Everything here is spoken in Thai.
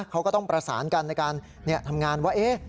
เขาก็ต้องประสานกันในการทำงานว่า